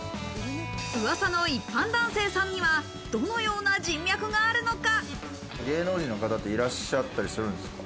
噂の一般男性さんにはどのような人脈があるのか。